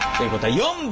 ４番。